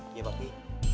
iya pak bi